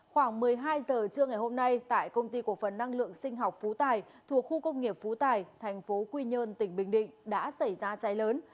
khoảng một mươi hai giờ trưa ngày hôm nay tại công ty cổ phần năng lượng sinh học phú tài thuộc khu công nghiệp phú tài thành phố quy nhơn tỉnh bình định đã xảy ra cháy lớn